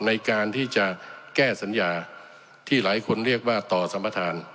ในการที่จะแก้สัญญาที่หลายคนเรียกว่าต่อสัมประธาน